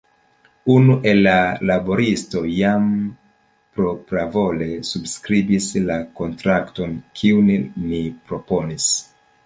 Unu el la laboristoj jam propravole subskribis la kontrakton kiun ni proponis.